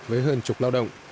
với hơn chục lao động